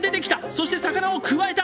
そして魚をくわえた！